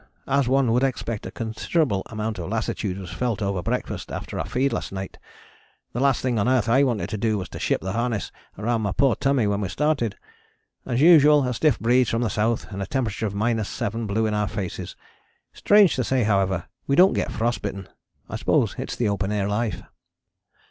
As one would expect, a considerable amount of lassitude was felt over breakfast after our feed last night. The last thing on earth I wanted to do was to ship the harness round my poor tummy when we started. As usual a stiff breeze from the south and a temperature of 7° blew in our faces. Strange to say, however, we don't get frost bitten. I suppose it is the open air life.